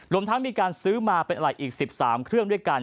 ทั้งมีการซื้อมาเป็นอะไรอีก๑๓เครื่องด้วยกัน